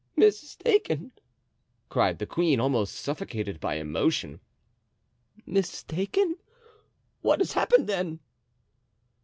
"Mistaken!" cried the queen, almost suffocated by emotion; "mistaken! what has happened, then?"